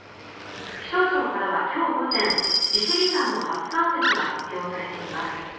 気象庁からは今日午前利尻山の初冠雪が発表されています。